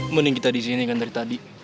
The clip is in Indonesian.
mending kita disini kan dari tadi